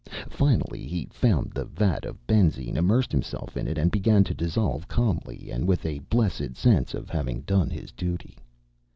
Finally he found the vat of benzine, immersed himself in it, and began to dissolve calmly and with a blessed sense of having done his duty.